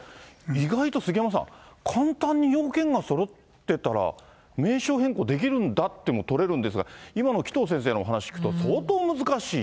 意外と杉山さん、簡単に要件がそろってたら、名称変更できるんだっていうふうにも取れるんですが、今の紀藤先生のお話聞くと、相当難しい。